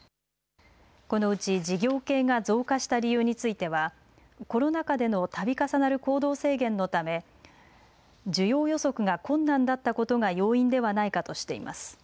このうち事業系が増加した理由についてはコロナ禍でのたび重なる行動制限のため需要予測が困難だったことが要因ではないかとしています。